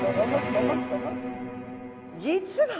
実は！